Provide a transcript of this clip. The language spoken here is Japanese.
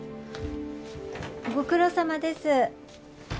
ご苦労さまです。